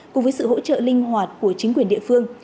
cùng với sự hỗ trợ linh hoạt của chính quyền địa phương